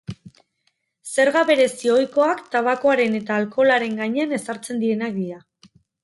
Zerga berezi ohikoak tabakoaren eta alkoholaren gainean ezartzen direnak dira.